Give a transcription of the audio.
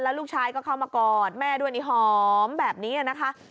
ลูกชายก็เข้ามากอดแม่ด้วยนี่หอมแบบนี้นะคะ